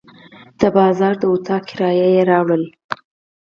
د بازار د کوټې کرایه یې راوړه.